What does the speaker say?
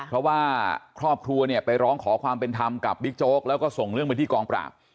เพราะว่าครอบครัวเนี่ยไปร้องขอความเป็นธรรมกับบิ๊กโจ๊กแล้วก็ส่งเรื่องไปที่กองปราบ